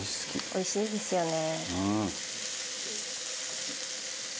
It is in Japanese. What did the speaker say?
おいしいですよね。